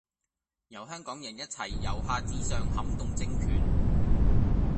由香港人一齊由下至上撼動政權